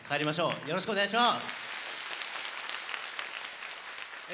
よろしくお願いします！